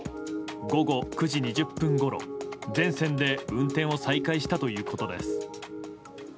午後９時２０分ごろ、全線で運転を再開したということです。